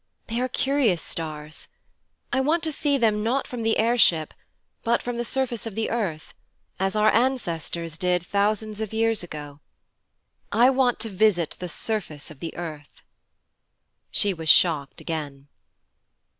They are curious stars. I want to see them not from the air ship, but from the surface of the earth, as our ancestors did, thousands of years ago. I want to visit the surface of the earth.' She was shocked again.